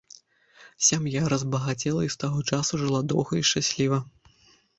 Сям'я разбагацела і з таго часу жыла доўга і шчасліва.